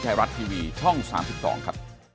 ไทยรัฐทีวีช่อง๓๒ครับ